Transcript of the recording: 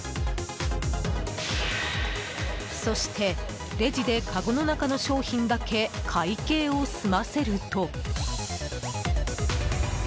そして、レジでかごの中の商品だけ会計を済ませると。